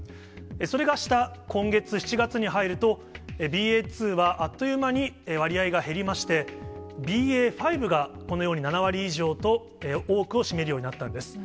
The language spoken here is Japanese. それが下、今月・７月に入ると、ＢＡ．２はあっという間に割合が減りまして、ＢＡ．５が、このように７割以上と、多くを占めるようになったんです。